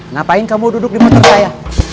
ngapain kamu duduk di motor saya